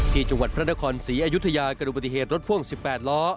ที่จังหวัดพระนครศรีอยุธยากระดูกปฏิเหตุรถพ่วง๑๘ล้อ